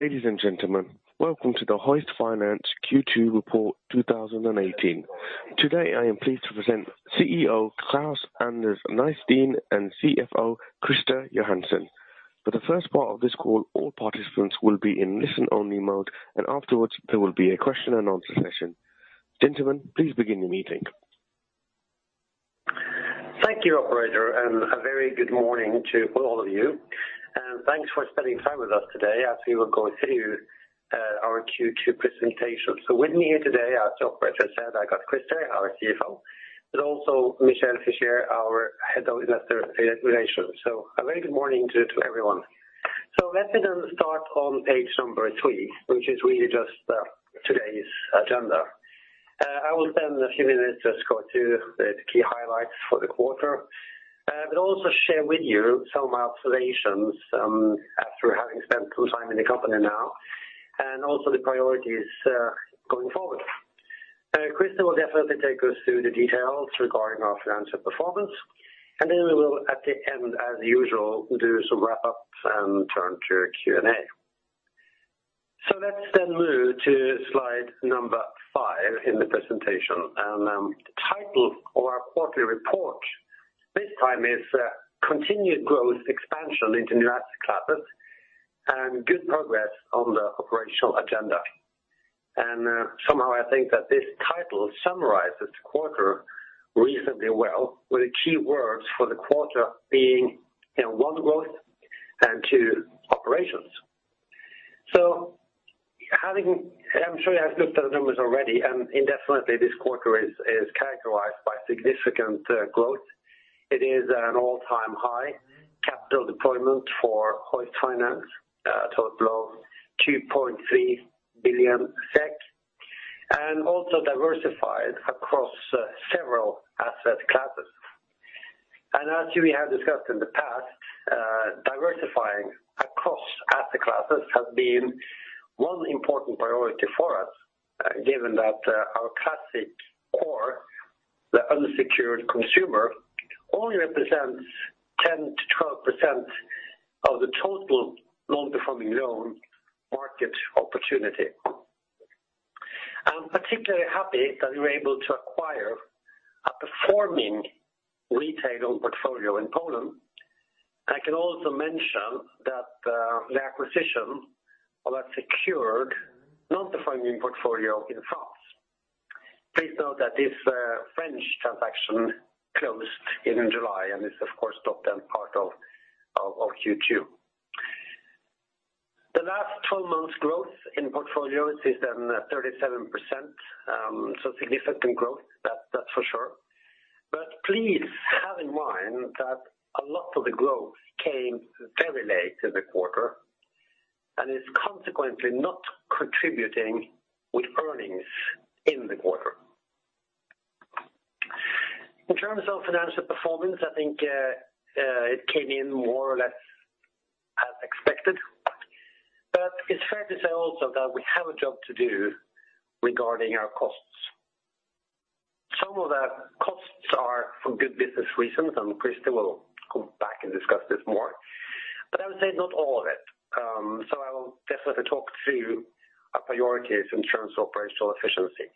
Ladies and gentlemen, welcome to the Hoist Finance Q2 report 2018. Today, I am pleased to present CEO, Klaus-Anders Nysteen, and CFO, Christer Johansson. For the first part of this call, all participants will be in listen-only mode, afterwards, there will be a question-and-answer session. Gentlemen, please begin the meeting. Thank you, operator, a very good morning to all of you. Thanks for spending time with us today as we will go through our Q2 presentation. With me here today, as the operator said, I got Christer, our CFO, but also Michel Fischier, our head of investor relations. A very good morning to everyone. Let me then start on page three, which is really just today's agenda. I will spend a few minutes just go through the key highlights for the quarter, but also share with you some observations, after having spent some time in the company now, also the priorities going forward. Christer will definitely take us through the details regarding our financial performance, then we will at the end, as usual, do some wrap up and turn to Q&A. Let's then move to slide five in the presentation. The title of our quarterly report this time is Continued Growth, Expansion into New Asset Classes and Good Progress on the Operational Agenda. Somehow I think that this title summarizes the quarter reasonably well, with the key words for the quarter being one, growth, two, operations. I'm sure you have looked at the numbers already, indeed this quarter is characterized by significant growth. It is an all-time high capital deployment for Hoist Finance, a total of 2.3 billion SEK, also diversified across several asset classes. As we have discussed in the past, diversifying across asset classes has been one important priority for us, given that our classic core, the unsecured consumer, only represents 10%-12% of the total non-performing loan market opportunity. I'm particularly happy that we were able to acquire a performing retail portfolio in Poland. I can also mention that the acquisition of a secured non-performing portfolio in France. Please note that this French transaction closed in July and is of course locked down part of Q2. The last 12 months growth in portfolios is 37%, significant growth, that's for sure. Please have in mind that a lot of the growth came very late in the quarter and is consequently not contributing with earnings in the quarter. In terms of financial performance, I think it came in more or less as expected, it's fair to say also that we have a job to do regarding our costs. Some of the costs are for good business reasons, Christer will come back and discuss this more. I would say not all of it. I will definitely talk through our priorities in terms of operational efficiency.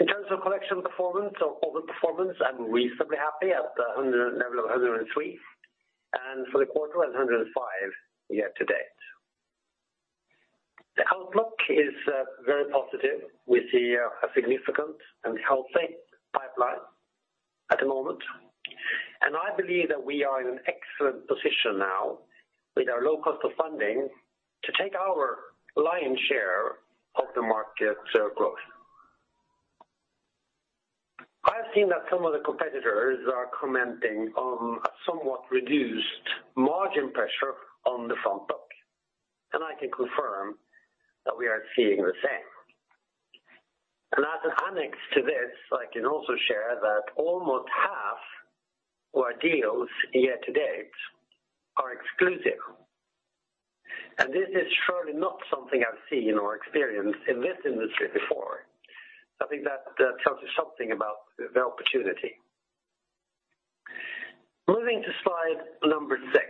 In terms of collection performance or overperformance, I am reasonably happy at the level of 103. And for the quarter at 105 year to date. The outlook is very positive. We see a significant and healthy pipeline at the moment, and I believe that we are in an excellent position now with our low cost of funding to take our lion's share of the market share growth. I have seen that some of the competitors are commenting on a somewhat reduced margin pressure on the front book. And as an annex to this, I can also share that almost half our deals year to date are exclusive. And this is surely not something I have seen or experienced in this industry before. I think that tells you something about the opportunity. Moving to slide number six.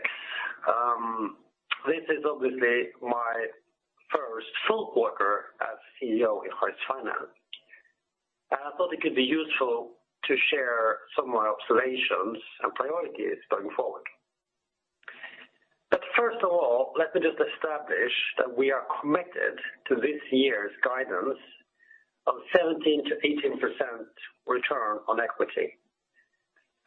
This is obviously my first full quarter as CEO in Hoist Finance, and I thought it could be useful to share some of my observations and priorities going forward. But first of all, let me just establish that we are committed to this year's guidance of 17%-18% return on equity,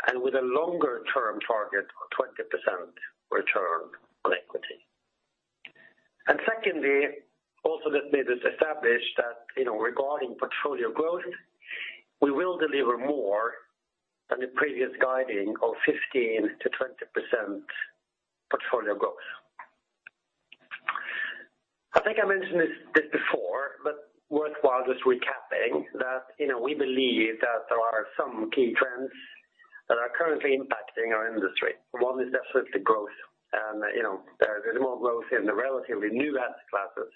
and with a longer-term target of 20% return on equity. And secondly, also let me just establish that regarding portfolio growth, we will deliver more than the previous guiding of 15%-20% portfolio growth. I think I mentioned this before, but worthwhile just recapping that we believe that there are some key trends that are currently impacting our industry. One is definitely growth. And there is more growth in the relatively new asset classes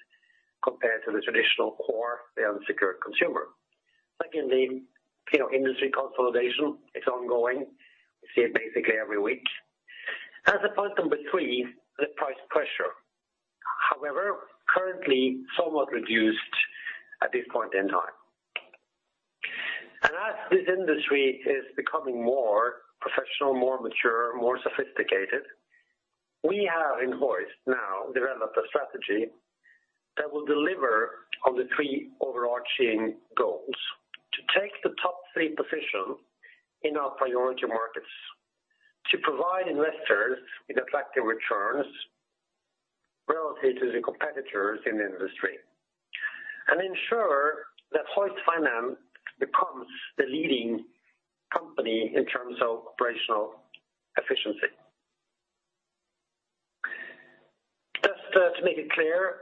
compared to the traditional core, the unsecured consumer. Secondly, industry consolidation is ongoing. We see it basically every week. As a point number three, the price pressure. However, currently somewhat reduced at this point in time. And as this industry is becoming more professional, more mature, more sophisticated, we have in Hoist now developed a strategy that will deliver on the three overarching goals. To take the top three position in our priority markets. To provide investors with attractive returns relative to the competitors in the industry. And ensure that Hoist Finance becomes the leading company in terms of operational efficiency. Just to make it clear,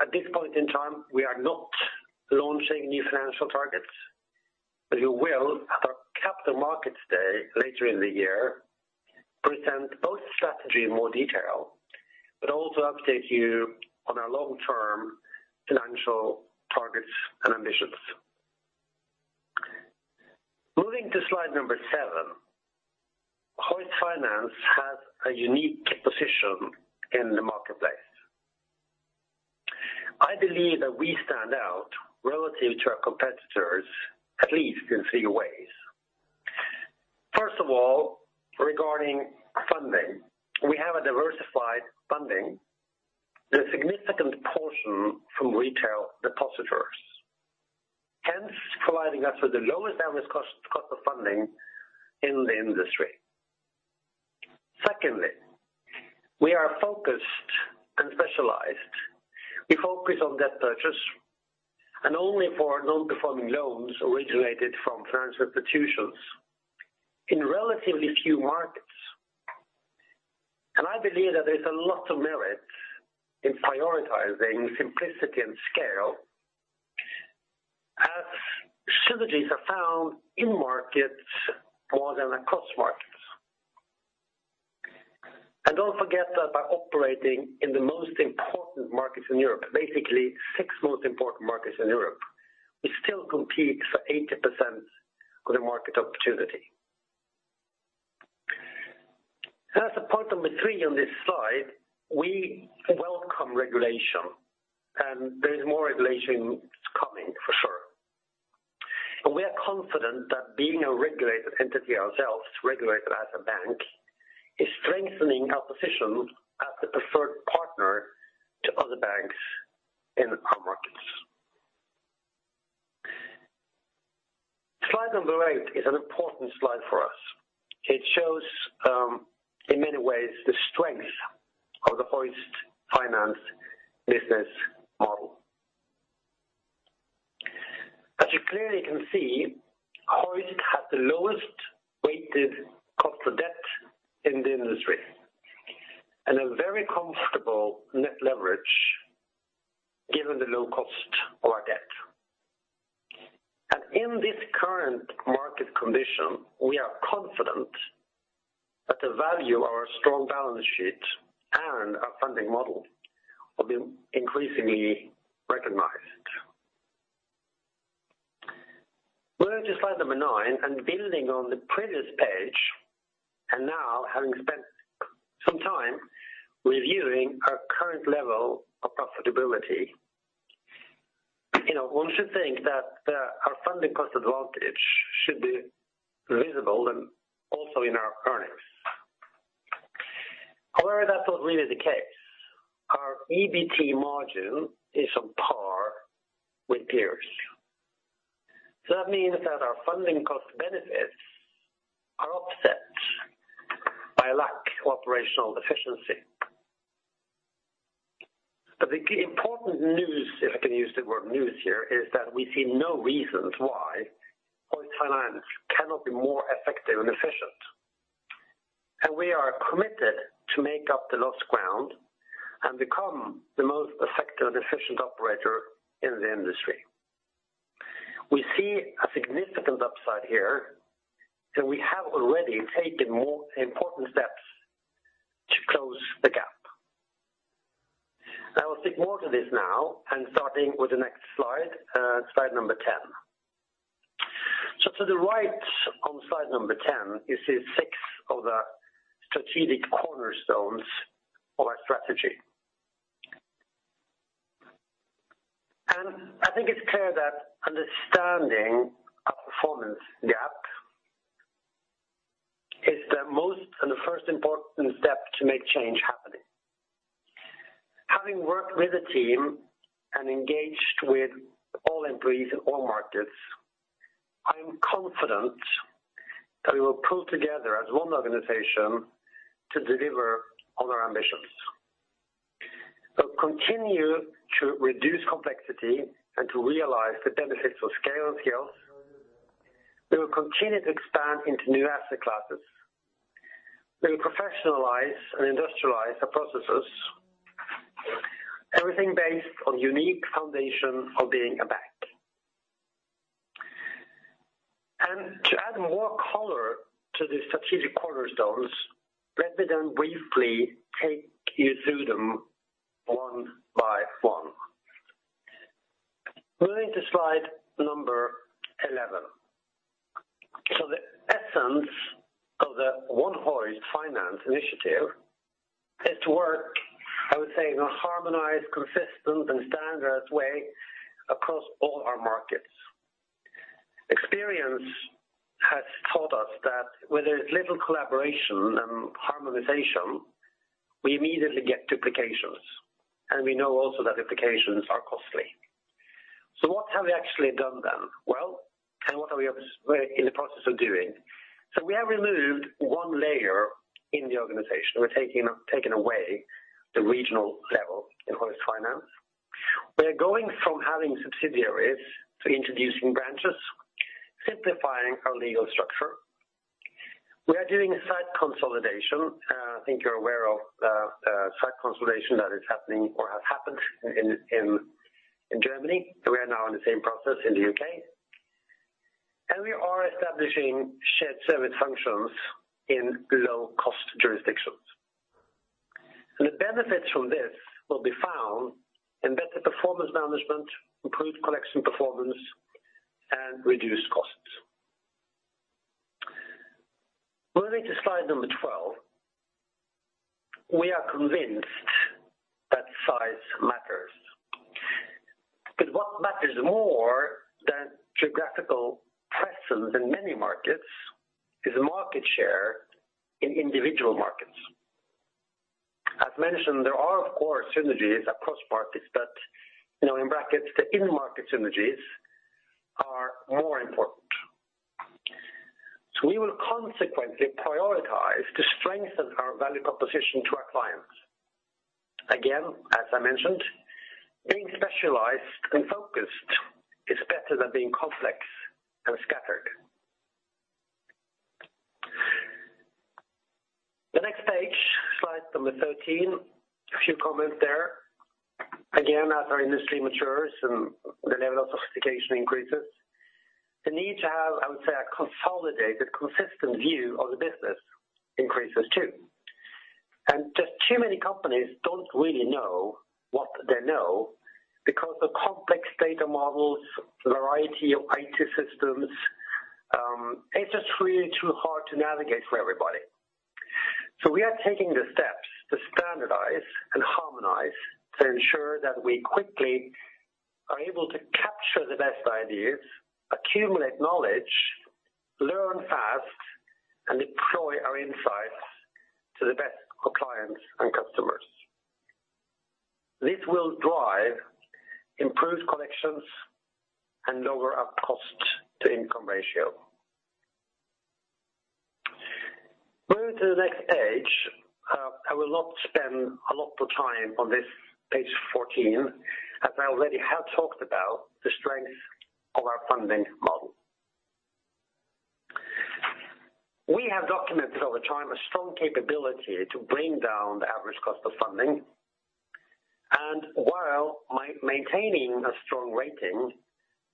at this point in time, we are not launching new financial targets, but we will at our capital markets day later in the year present both strategy in more detail, but also update you on our long-term financial targets and ambitions. Moving to slide number seven, Hoist Finance has a unique position in the marketplace. I believe that we stand out relative to our competitors, at least in three ways. First of all, regarding funding. We have a diversified funding with a significant portion from retail depositors, hence providing us with the lowest average cost of funding in the industry. Secondly, we are focused and specialized. We focus on debt purchase and only for non-performing loans originated from finance institutions in relatively few markets. And I believe that there is a lot of merit in prioritizing simplicity and scale as synergies are found in markets more than across markets. And don't forget that by operating in the most important markets in Europe, basically six most important markets in Europe, we still compete for 80% of the market opportunity. As a point number three on this slide, we welcome regulation, and there is more regulation that is coming for sure. We are confident that being a regulated entity ourselves, regulated as a bank, is strengthening our position as the preferred partner to other banks in our markets. Slide eight is an important slide for us. It shows, in many ways, the strength of the Hoist Finance business model. As you clearly can see, Hoist has the lowest weighted cost of debt in the industry and a very comfortable net leverage given the low cost of our debt. In this current market condition, we are confident that the value of our strong balance sheet and our funding model will be increasingly recognized. Moving to slide nine and building on the previous page, and now having spent some time reviewing our current level of profitability. One should think that our funding cost advantage should be visible and also in our earnings. However, that's not really the case. Our EBT margin is on par with peers. That means that our funding cost benefits are offset by a lack of operational efficiency. The important news, if I can use the word news here, is that we see no reasons why Hoist Finance cannot be more effective and efficient. We are committed to make up the lost ground and become the most effective and efficient operator in the industry. We see a significant upside here, and we have already taken more important steps to close the gap. I will speak more to this now and starting with the next slide 10. To the right on slide 10, you see six of the strategic cornerstones of our strategy. I think it's clear that understanding our performance gap is the most and the first important step to make change happening. Having worked with the team and engaged with all employees in all markets, I am confident that we will pull together as one organization to deliver on our ambitions. We'll continue to reduce complexity and to realize the benefits of scale and skills. We will continue to expand into new asset classes. We'll professionalize and industrialize our processes. Everything based on the unique foundation of being a bank. To add more color to the strategic cornerstones, let me then briefly take you through them one by one. Moving to slide 11. The essence of the One Hoist Finance initiative is to work, I would say, in a harmonized, consistent, and standard way across all our markets. Experience has taught us that where there's little collaboration and harmonization, we immediately get duplications, and we know also that duplications are costly. What have we actually done then? Well, what are we in the process of doing? We have removed one layer in the organization. We're taking away the regional level in Hoist Finance. We are going from having subsidiaries to introducing branches, simplifying our legal structure. We are doing a site consolidation. I think you're aware of the site consolidation that is happening or has happened in Germany. We are now in the same process in the U.K., and we are establishing shared service functions in low-cost jurisdictions. The benefits from this will be found in better performance management, improved collection performance, and reduced costs. Moving to slide 12. We are convinced that size matters. What matters more than geographical presence in many markets is market share in individual markets. As mentioned, there are of course synergies across markets, but, in brackets, the in-market synergies are more important. We will consequently prioritize to strengthen our value proposition to our clients. Again, as I mentioned, being specialized and focused is better than being complex and scattered. The next page, slide number 13, a few comments there. Again, as our industry matures and the level of sophistication increases, the need to have, I would say, a consolidated, consistent view of the business increases too. Just too many companies don't really know what they know because the complex data models, variety of IT systems, it's just really too hard to navigate for everybody. We are taking the steps to standardize and harmonize to ensure that we quickly are able to capture the best ideas, accumulate knowledge, learn fast, and deploy our insights to the best of clients and customers. This will drive improved collections and lower our cost-to-income ratio. Moving to the next page. I will not spend a lot of time on this, page 14, as I already have talked about the strength of our funding model. We have documented over time a strong capability to bring down the average cost of funding. While maintaining a strong rating,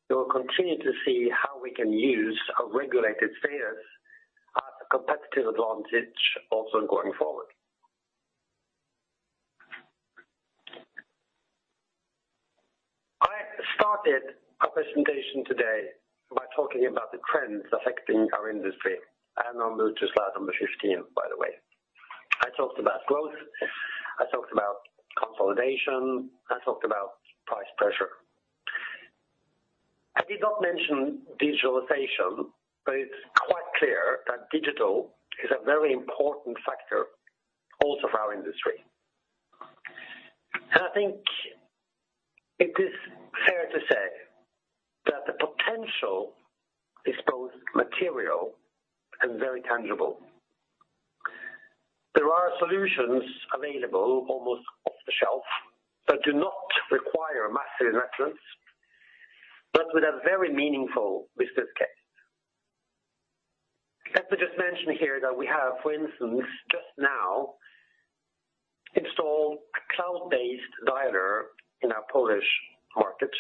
we will continue to see how we can use our regulated status as a competitive advantage also going forward. I started our presentation today by talking about the trends affecting our industry, I'll move to slide number 15, by the way. I talked about growth, I talked about consolidation, I talked about price pressure. I did not mention digitalization, but it's quite clear that digital is a very important factor also for our industry. I think it is fair to say that the potential is both material and very tangible. There are solutions available almost off the shelf that do not require massive investments, but with a very meaningful business case. Let me just mention here that we have, for instance, just now installed a cloud-based dialer in our Polish market,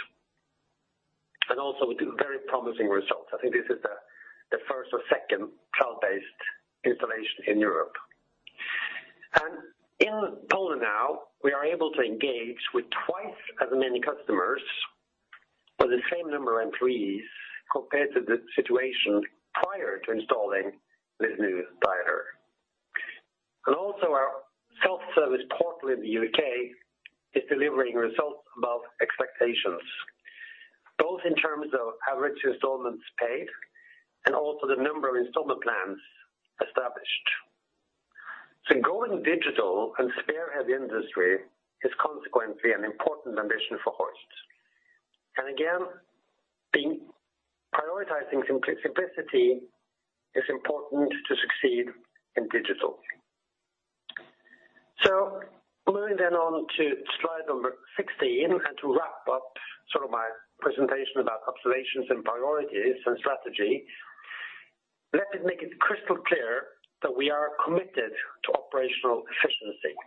also with very promising results. I think this is the first or second cloud-based installation in Europe. In Poland now, we are able to engage with 2 times as many customers for the same number of employees compared to the situation prior to installing this new dialer. Also our self-service portal in the U.K. is delivering results above expectations, both in terms of average installments paid and also the number of installment plans established. Going digital and spearhead the industry is consequently an important ambition for Hoist. Again, prioritizing simplicity is important to succeed in digital. Moving then on to slide number 16, and to wrap up sort of my presentation about observations and priorities and strategy, let me make it crystal clear that we are committed to operational efficiency.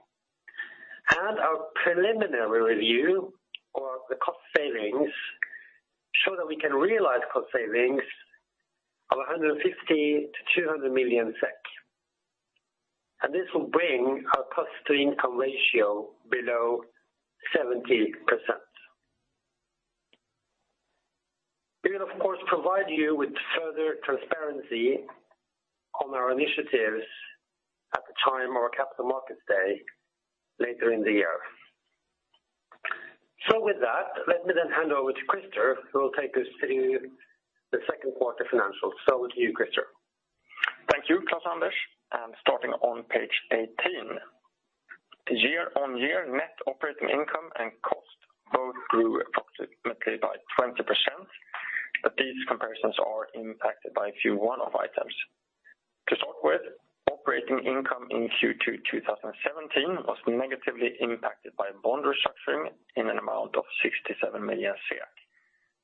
Our preliminary review or the cost savings show that we can realize cost savings of 150 million-200 million SEK. This will bring our cost-to-income ratio below 70%. We will, of course, provide you with further transparency on our initiatives at the time of our capital markets day later in the year. With that, let me then hand over to Christer, who will take us through the second quarter financials. To you, Christer. Thank you, Klaus-Anders. Starting on page 18. Year-on-year net operating income and cost both grew approximately by 20%, but these comparisons are impacted by a few one-off items. To start with, operating income in Q2 2017 was negatively impacted by bond restructuring in an amount of 67 million.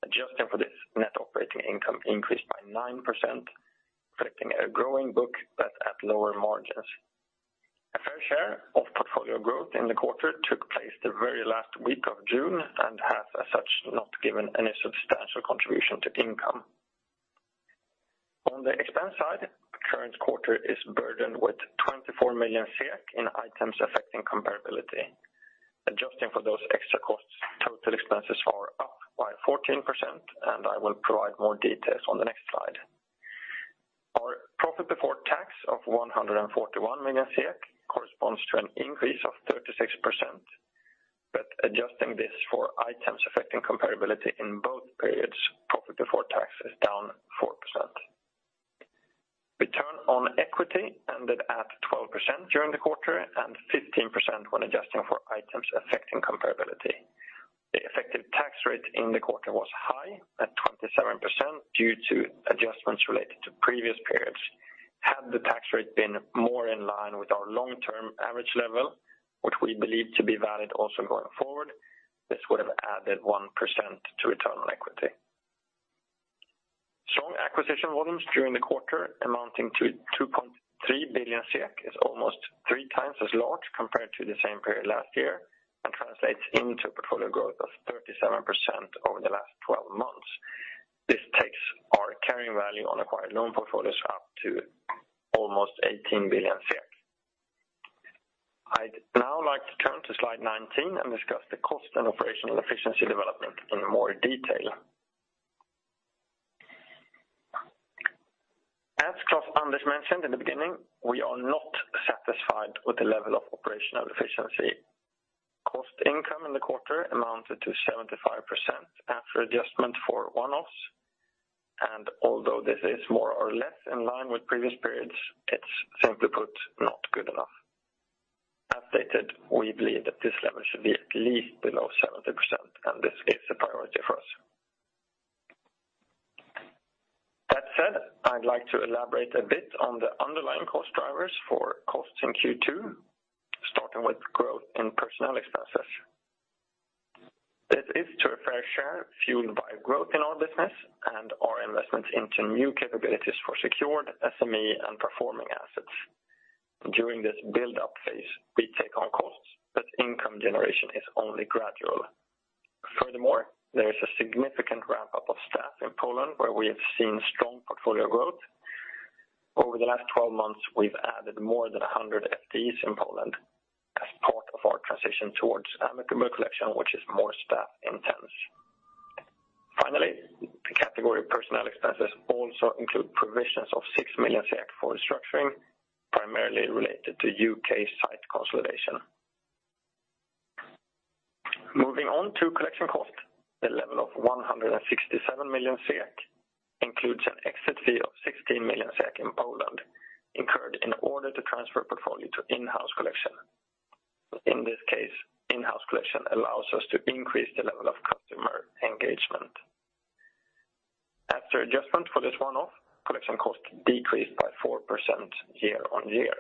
Adjusting for this net operating income increased by 9%, reflecting a growing book but at lower margins. A fair share of portfolio growth in the quarter took place the very last week of June and has as such not given any substantial contribution to income. On the expense side, the current quarter is burdened with 24 million in items affecting comparability. Adjusting for those extra costs, total expenses are up by 14%. I will provide more details on the next slide. Our profit before tax of 141 million corresponds to an increase of 36%. Adjusting this for items affecting comparability in both periods, profit before tax is down 4%. Return on equity ended at 12% during the quarter and 15% when adjusting for items affecting comparability. The effective tax rate in the quarter was high at 27% due to adjustments related to previous periods. Had the tax rate been more in line with our long-term average level, which we believe to be valid also going forward, this would have added 1% to Return on equity. Strong acquisition volumes during the quarter amounting to 2.3 billion SEK is almost 3 times as large compared to the same period last year and translates into portfolio growth of 37% over the last 12 months. This takes our carrying value on acquired loan portfolios up to almost 18 billion. I'd now like to turn to slide 19 and discuss the cost and operational efficiency development in more detail. As Klaus-Anders mentioned in the beginning, we are not satisfied with the level of operational efficiency. Cost income in the quarter amounted to 75% after adjustment for one-offs, and although this is more or less in line with previous periods, it's simply put, not good enough. As stated, we believe that this level should be at least below 70% and this is a priority for us. That said, I'd like to elaborate a bit on the underlying cost drivers for costs in Q2, starting with growth in personnel expenses. This is to a fair share fueled by growth in our business and our investments into new capabilities for secured SME and performing assets. During this build-up phase, we take on costs, but income generation is only gradual. Furthermore, there is a significant ramp-up of staff in Poland, where we have seen strong portfolio growth. Over the last 12 months, we've added more than 100 FTEs in Poland as part of our transition towards amicable collection, which is more staff intense. The category of personnel expenses also include provisions of six million SEK for restructuring, primarily related to U.K. site consolidation. Moving on to collection cost, the level of 167 million SEK includes an exit fee of 16 million SEK in Poland incurred in order to transfer portfolio to in-house collection. In this case, in-house collection allows us to increase the level of customer engagement. After adjustment for this one-off, collection cost decreased by 4% year-on-year.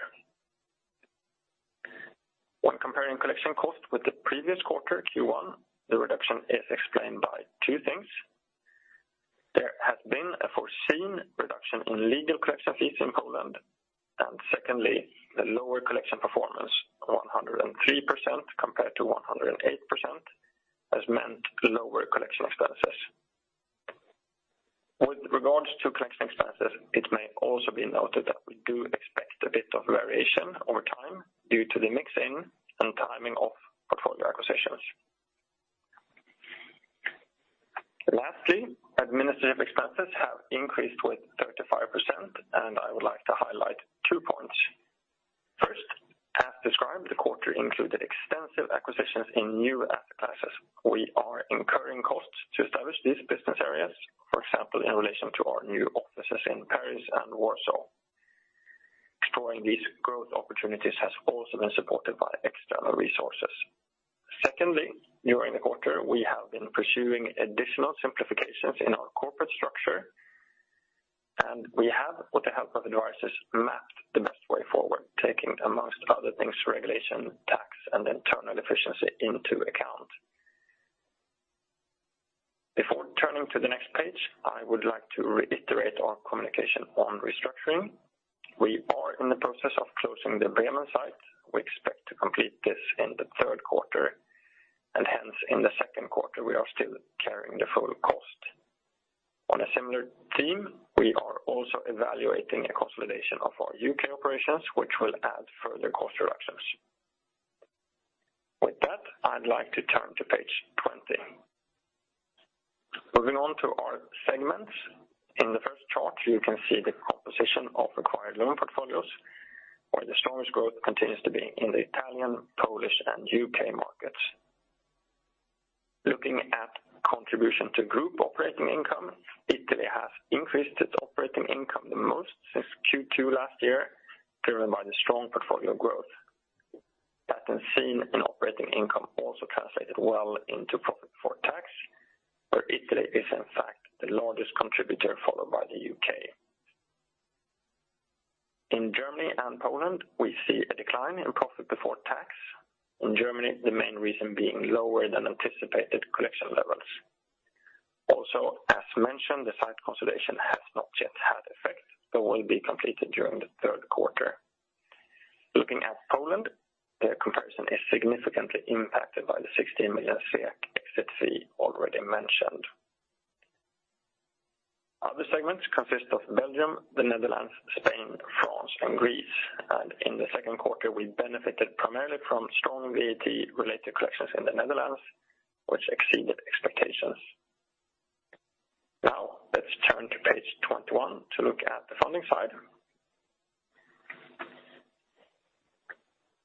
Comparing collection cost with the previous quarter, Q1, the reduction is explained by two things. There has been a foreseen reduction in legal collection fees in Poland, and secondly, the lower collection performance, 103% compared to 108%, has meant lower collection expenses. With regards to collection expenses, it may also be noted that we do expect a bit of variation over time due to the mix-in and timing of portfolio acquisitions. Lastly, administrative expenses have increased with 35%, and I would like to highlight two points. First, as described, the quarter included extensive acquisitions in new asset classes. We are incurring costs to establish these business areas, for example, in relation to our new offices in Paris and Warsaw. Exploring these growth opportunities has also been supported by external resources. Secondly, during the quarter, we have been pursuing additional simplifications in our corporate structure, and we have, with the help of advisors, mapped the best way forward, taking amongst other things, regulation, tax, and internal efficiency into account. Turning to the next page, I would like to reiterate our communication on restructuring. We are in the process of closing the Bremen site. We expect to complete this in the third quarter and hence in the second quarter, we are still carrying the full cost. On a similar theme, we are also evaluating a consolidation of our U.K. operations, which will add further cost reductions. With that, I would like to turn to page 20. Moving on to our segments. In the first chart, you can see the composition of acquired loan portfolios where the strongest growth continues to be in the Italian, Polish, and U.K. markets. Looking at contribution to group operating income, Italy has increased its operating income the most since Q2 last year, driven by the strong portfolio growth. That seen in operating income also translated well into profit for tax, where Italy is in fact the largest contributor followed by the U.K. In Germany and Poland, we see a decline in profit before tax. In Germany, the main reason being lower than anticipated collection levels. Also, as mentioned, the site consolidation has not yet had effect, but will be completed during the third quarter. Looking at Poland, the comparison is significantly impacted by the 16 million exit fee already mentioned. Other segments consist of Belgium, the Netherlands, Spain, France, and Greece. In the second quarter, we benefited primarily from strong VAT-related collections in the Netherlands, which exceeded expectations. Now let us turn to page 21 to look at the funding side.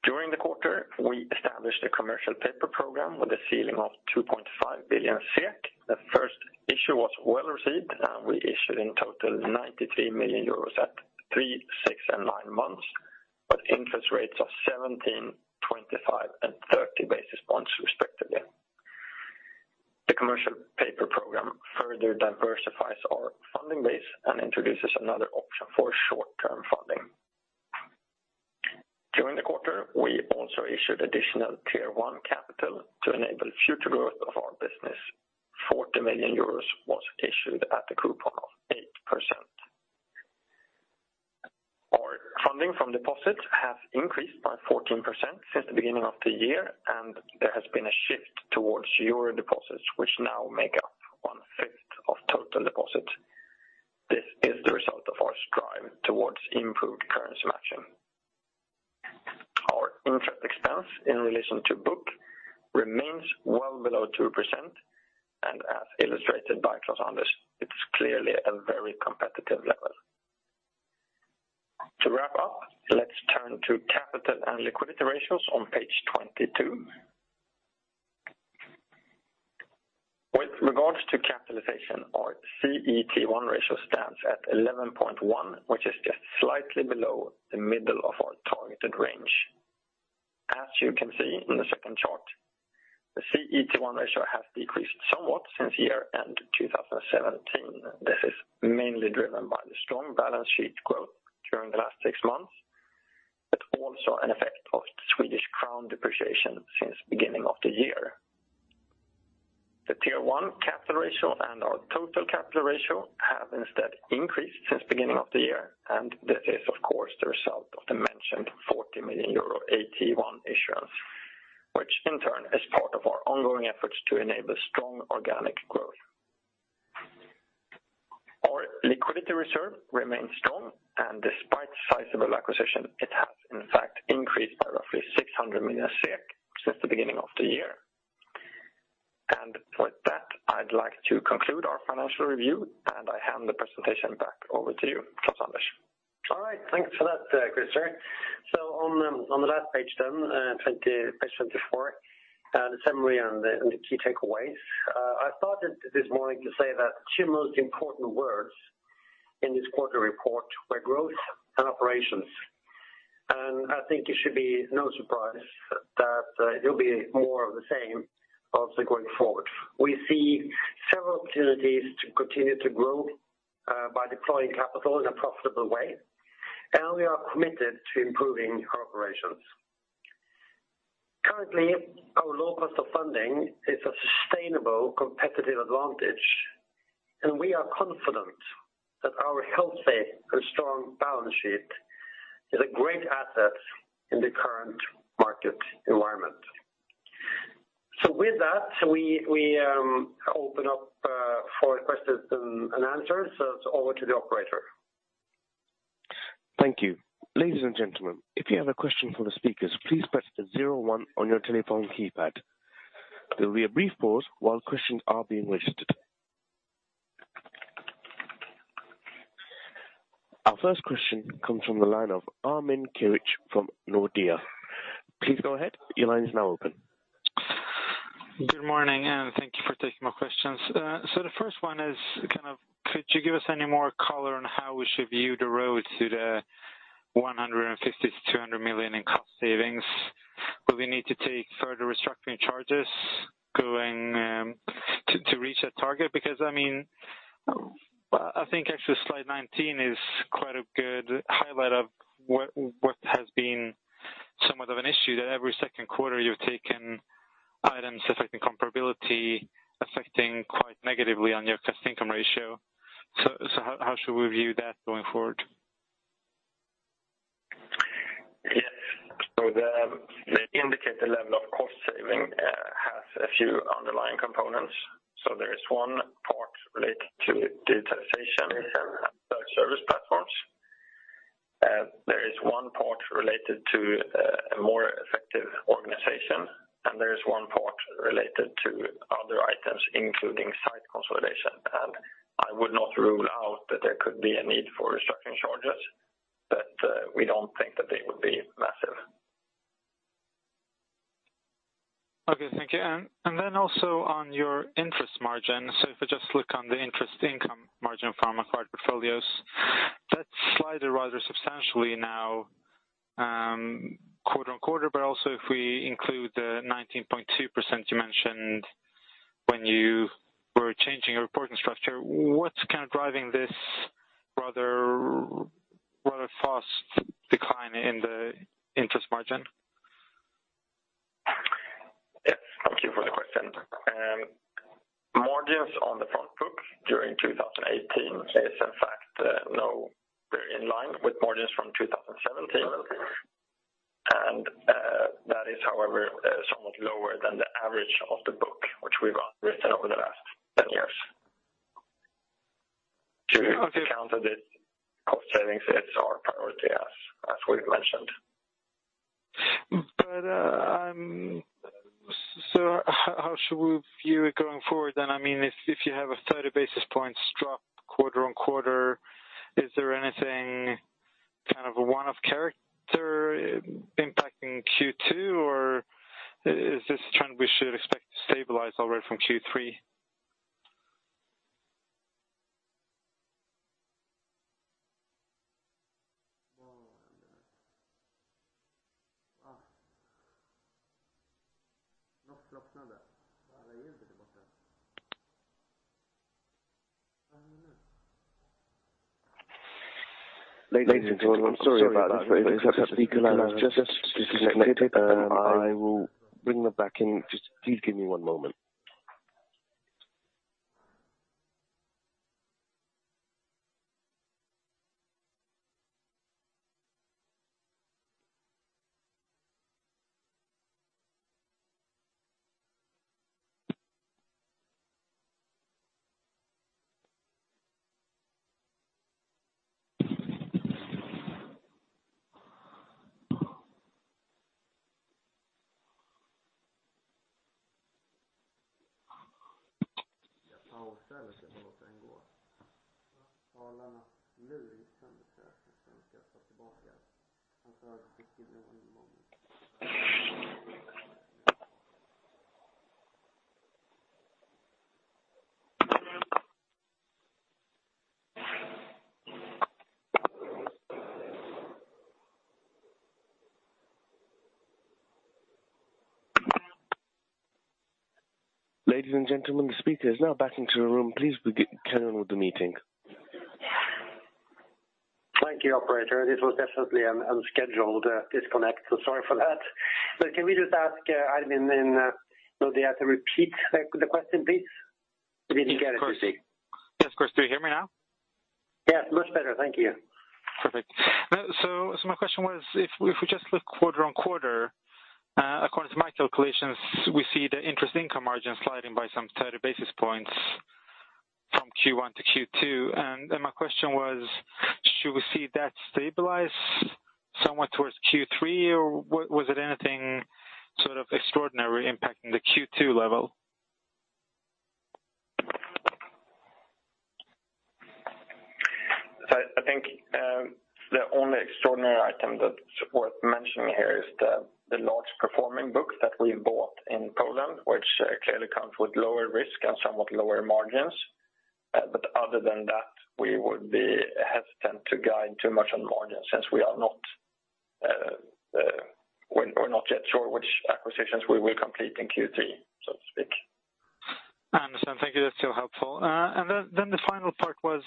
During the quarter, we established a commercial paper program with a ceiling of 2.5 billion SEK. The first issue was well-received, and we issued in total 93 million euros at three, six, and nine months with interest rates of 17, 25, and 30 basis points respectively. The commercial paper program further diversifies our funding base and introduces another option for short-term funding. During the quarter, we also issued additional Tier 1 capital to enable future growth of our business. 40 million euros was issued at the coupon of 8%. Our funding from deposits has increased by 14% since the beginning of the year. There has been a shift towards euro deposits, which now make up one fifth of total deposits. This is the result of our strive towards improved currency matching. Our interest expense in relation to book remains well below 2%. As illustrated by Klaus-Anders, it's clearly a very competitive level. To wrap up, let's turn to capital and liquidity ratios on page 22. With regards to capitalization, our CET1 ratio stands at 11.1, which is just slightly below the middle of our targeted range. As you can see in the second chart, the CET1 ratio has decreased somewhat since year-end 2017. This is mainly driven by the strong balance sheet growth during the last six months, but also an effect of Swedish crown depreciation since beginning of the year. The Tier 1 capital ratio and our total capital ratio have instead increased since beginning of the year. This is of course the result of the mentioned 40 million euro AT1 issuance which in turn is part of our ongoing efforts to enable strong organic growth. Our liquidity reserve remains strong and despite sizable acquisition, it has in fact increased by roughly 600 million since the beginning of the year. With that, I'd like to conclude our financial review and I hand the presentation back over to you, Klaus-Anders. All right, thanks for that, Christer. On the last page then, page 24, the summary and the key takeaways. I thought this morning to say that two most important words in this quarter report were growth and operations. I think it should be no surprise that it'll be more of the same also going forward. We see several opportunities to continue to grow by deploying capital in a profitable way, and we are committed to improving our operations. Currently, our low cost of funding is a sustainable competitive advantage, and we are confident that our healthy and strong balance sheet is a great asset in the current market environment. With that, we open up for questions and answers. It's over to the operator. Thank you. Ladies and gentlemen, if you have a question for the speakers, please press the zero one on your telephone keypad. There will be a brief pause while questions are being registered. Our first question comes from the line of Armin Klee from Nordea. Please go ahead. Your line is now open. Good morning. Thank you for taking my questions. The first one is kind of could you give us any more color on how we should view the road to the 150 million-200 million in cost savings? Will we need to take further restructuring charges to reach that target? I mean I think actually slide 19 is quite a good highlight of what has been somewhat of an issue that every second quarter you've taken items affecting comparability, affecting quite negatively on your cost-to-income ratio. How should we view that going forward? Yes. The indicated level of cost saving has a few underlying components. There is one part related to digitization and self-service platforms. There is one part related to a more effective organization. There is one part related to other items, including site consolidation. I would not rule out that there could be a need for restructuring charges, but we don't think that they would be massive. Okay. Thank you. Also on your interest margin. If we just look on the interest income margin from acquired portfolios, that slide rather substantially now, quarter-on-quarter, but also if we include the 19.2% you mentioned when you were changing your reporting structure. What's kind of driving this rather fast decline in the interest margin? Yes. Thank you for the question. Margins on the front book during 2018 is in fact now very in line with margins from 2017. That is however, somewhat lower than the average of the book, which we've written over the last 10 years. To counter this cost savings, it's our priority as we've mentioned. how should we view it going forward then? If you have a 30 basis points drop quarter-on-quarter, is there anything kind of one-off character impacting Q2, or is this a trend we should expect to stabilize already from Q3? Ladies and gentlemen, I'm sorry about this, but it looks like the call has just disconnected. I will bring them back in. Just please give me one moment. Ladies and gentlemen, the speaker is now back into the room. Please carry on with the meeting. Thank you, operator. This was definitely an unscheduled disconnect, so sorry for that. can we just ask Armin and Lode to repeat the question, please? We didn't get it fully. Yes, of course. Do you hear me now? Yes, much better. Thank you. Perfect. My question was, if we just look quarter-on-quarter, according to my calculations, we see the interest income margin sliding by some 30 basis points from Q1 to Q2. My question was, should we see that stabilize somewhat towards Q3, or was it anything sort of extraordinary impacting the Q2 level? I think the only extraordinary item that's worth mentioning here is the large performing books that we've bought in Poland, which clearly comes with lower risk and somewhat lower margins. Other than that, we would be hesitant to guide too much on margins since we're not yet sure which acquisitions we will complete in Q3, so to speak. Understood. Thank you. That's still helpful. Then the final part was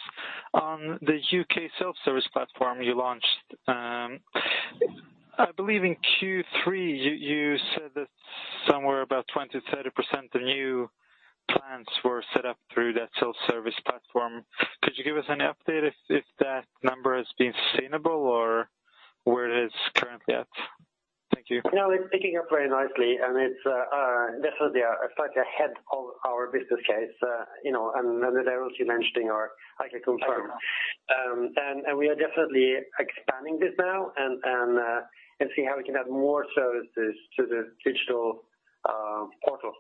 on the U.K. self-service platform you launched. I believe in Q3, you said that somewhere about 20%-30% of new plans were set up through that self-service platform. Could you give us any update if that number has been sustainable or where it is currently at? Thank you. No, it's picking up very nicely, and it's definitely a slight ahead of our business case. As I was mentioning or I can confirm. We are definitely expanding this now and see how we can add more services to the digital portal.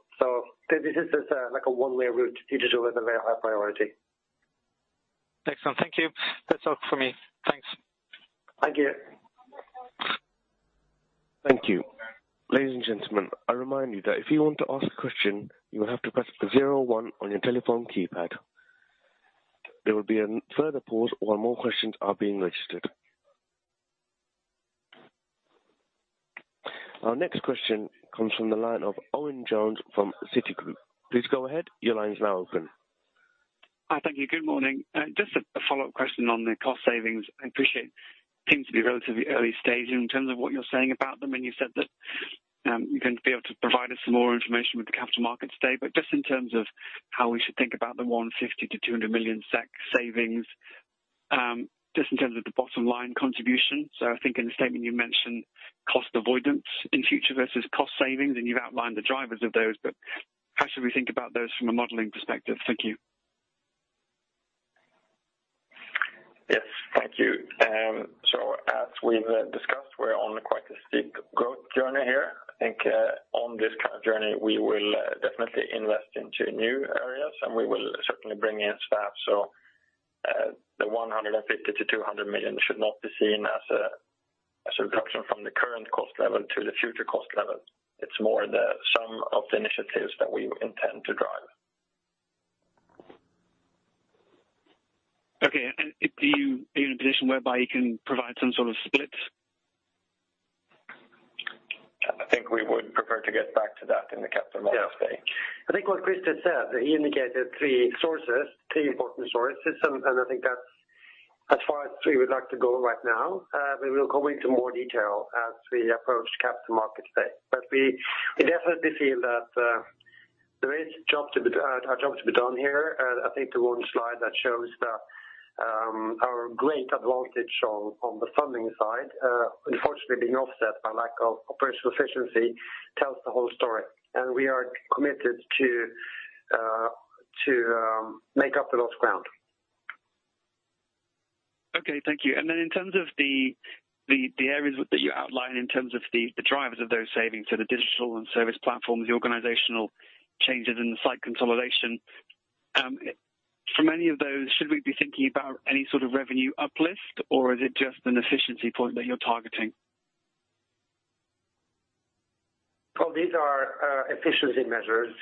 This is like a one-way route to digital as a very high priority. Excellent. Thank you. That's all for me. Thanks. Thank you. Thank you. Ladies and gentlemen, I remind you that if you want to ask a question, you will have to press 01 on your telephone keypad. There will be a further pause while more questions are being registered. Our next question comes from the line of Owen Jones from Citigroup. Please go ahead. Your line is now open. Hi. Thank you. Good morning. Just a follow-up question on the cost savings. I appreciate it seems to be relatively early stage in terms of what you're saying about them, and you said that you're going to be able to provide us some more information with the Capital Markets Day, but just in terms of how we should think about the 150 million-200 million SEK savings, just in terms of the bottom line contribution. I think in the statement you mentioned cost avoidance in future versus cost savings, and you've outlined the drivers of those, but how should we think about those from a modeling perspective? Thank you. Yes, thank you. As we've discussed, we're on quite a steep growth journey here. I think on this kind of journey, we will definitely invest into new areas and we will certainly bring in staff. The 150 million-200 million should not be seen as a reduction from the current cost level to the future cost level. It's more the sum of the initiatives that we intend to drive. Okay. Are you in a position whereby you can provide some sort of split? I think we would prefer to get back to that in the Capital Markets Day. Yeah. I think what Christer said, he indicated three important sources, and I think that's as far as we would like to go right now. We will go into more detail as we approach Capital Markets Day. We definitely feel that there is a job to be done here. I think the one slide that shows that our great advantage on the funding side, unfortunately being offset by lack of operational efficiency tells the whole story. We are committed to make up the lost ground. Okay, thank you. Then in terms of the areas that you outline in terms of the drivers of those savings, so the digital and service platforms, the organizational changes and the site consolidation, from any of those, should we be thinking about any sort of revenue uplift, or is it just an efficiency point that you're targeting? Well, these are efficiency measures.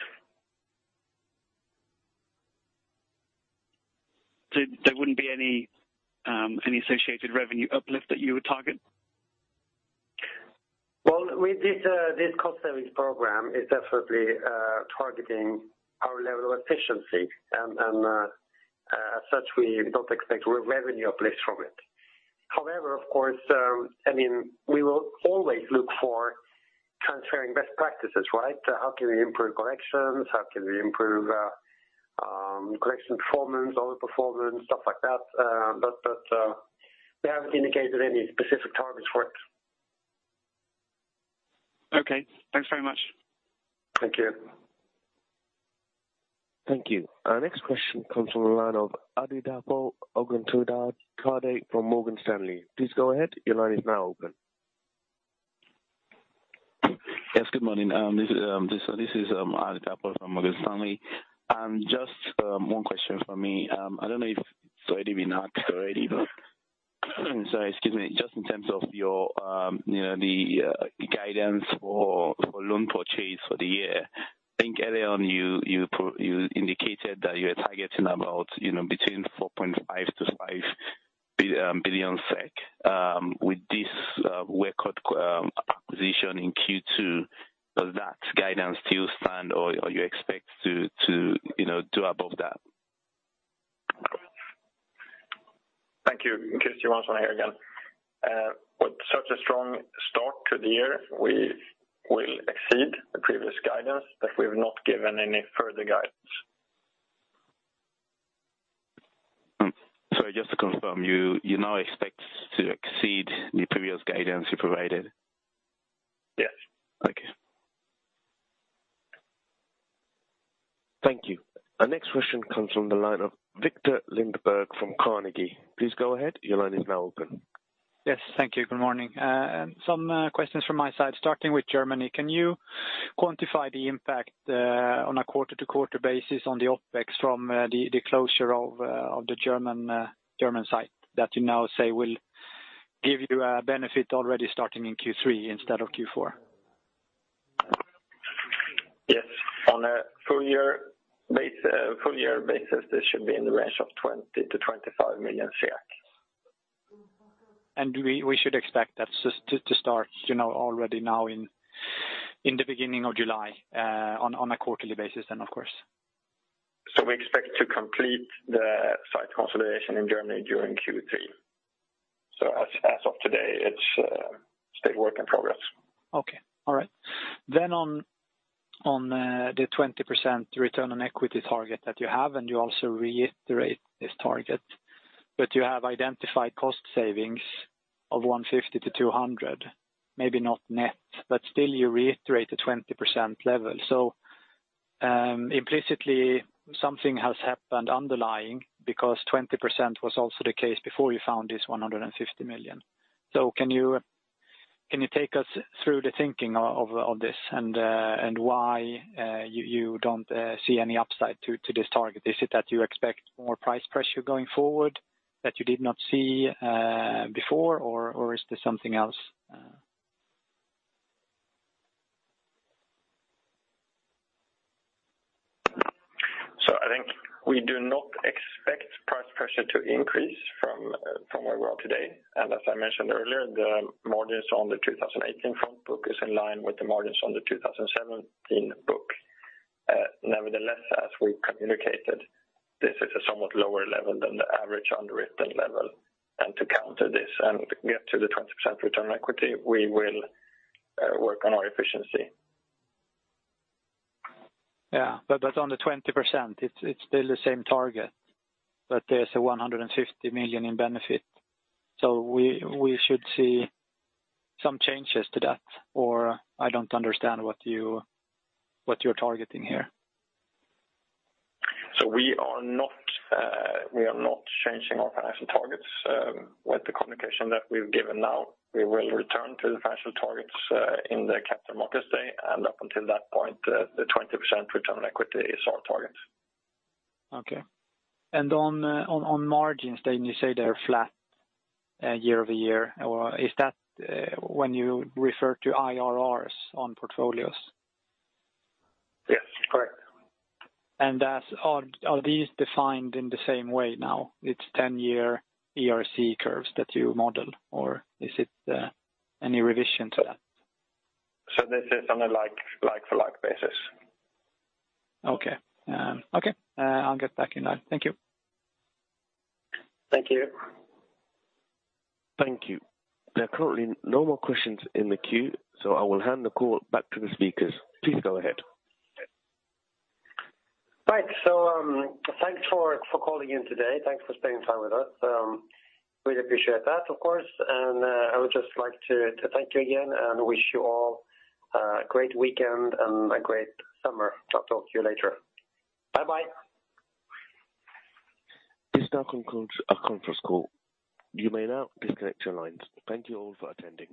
There wouldn't be any associated revenue uplift that you would target? Well, with this cost savings program, it's definitely targeting our level of efficiency. As such, we don't expect revenue uplift from it. However, of course, we will always look for transferring best practices, right? How can we improve collections? How can we improve collection performance, overperformance, stuff like that. We haven't indicated any specific targets for it. Okay. Thanks very much. Thank you. Thank you. Our next question comes from the line of Adedapo Oguntola from Morgan Stanley. Please go ahead. Your line is now open. Yes, good morning. This is Adedapo from Morgan Stanley. Just one question from me. I don't know if it's already been asked already, but sorry, excuse me. Just in terms of the guidance for loan purchase for the year. I think earlier on you indicated that you are targeting about between 4.5 billion to 5 billion SEK. With this work acquisition in Q2, does that guidance still stand or you expect to do above that? Thank you. Christer Johansson here again. With such a strong start to the year, we will exceed the previous guidance. We've not given any further guidance. Sorry, just to confirm, you now expect to exceed the previous guidance you provided? Yes. Okay. Thank you. Our next question comes from the line of Victor Lindgren from Carnegie. Please go ahead. Your line is now open. Yes. Thank you. Good morning. Some questions from my side, starting with Germany. Can you quantify the impact on a quarter-to-quarter basis on the OpEx from the closure of the German site that you now say will give you a benefit already starting in Q3 instead of Q4? Yes. On a full year basis, this should be in the range of 20 million to 25 million. We should expect that to start already now in the beginning of July on a quarterly basis then, of course. We expect to complete the site consolidation in Germany during Q3. As of today, it is still work in progress. Okay. All right. On the 20% return on equity target that you have, and you also reiterate this target. You have identified cost savings of 150 million-200 million, maybe not net, but still you reiterate the 20% level. Implicitly, something has happened underlying because 20% was also the case before you found this 150 million. Can you take us through the thinking of this and why you don't see any upside to this target? Is it that you expect more price pressure going forward that you did not see before, or is this something else? We do not expect price pressure to increase from where we are today. As I mentioned earlier, the margins on the 2018 front book is in line with the margins on the 2017 book. Nevertheless, as we communicated, this is a somewhat lower level than the average underwritten level. To counter this and get to the 20% return on equity, we will work on our efficiency. Yeah. On the 20%, it's still the same target, but there's a 150 million in benefit. We should see some changes to that or I don't understand what you're targeting here. We are not changing our financial targets with the communication that we've given now. We will return to the financial targets in the Capital Markets Day, and up until that point, the 20% return on equity is our target. Okay. On margins, then you say they're flat year-over-year. Is that when you refer to IRRs on portfolios? Yes, correct. Are these defined in the same way now? It's 10-year ERC curves that you model or is it any revision to that? This is on a like for like basis. Okay. I'll get back in line. Thank you. Thank you. Thank you. There are currently no more questions in the queue, so I will hand the call back to the speakers. Please go ahead. Right. Thanks for calling in today. Thanks for spending time with us. Really appreciate that, of course, and I would just like to thank you again and wish you all a great weekend and a great summer. Talk to you later. Bye. This now concludes our conference call. You may now disconnect your lines. Thank you all for attending.